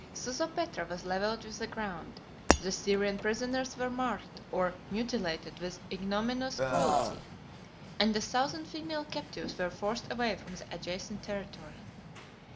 Sozopetra was levelled with the ground, the Syrian prisoners were marked or mutilated with ignominious cruelty, and a thousand female captives were forced away from the adjacent territory.